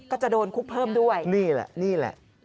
ก็จะโดนคุกเพิ่มด้วยนี่แหละนี่แหละ